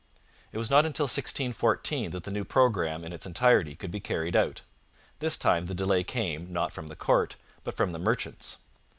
It was not until 1614 that the new programme in its entirety could be carried out. This time the delay came, not from the court, but from the merchants.